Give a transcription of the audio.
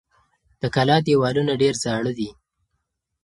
د کلا دېوالونه ډېر زاړه دي.